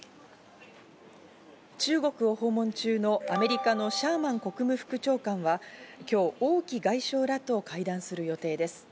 中国を訪問中のアメリカのシャーマン国務副長官は今日、オウ・キ外相らと会談する予定です。